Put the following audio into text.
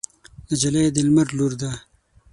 نجلۍ د لمر لور ده.